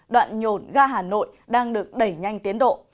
đoạn nhồn ga hà nội đang được đẩy nhanh tiến độ